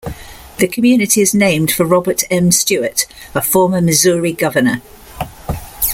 The community is named for Robert M. Stewart, a former Missouri governor.